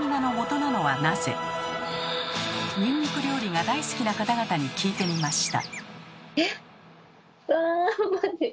ニンニク料理が大好きな方々に聞いてみました。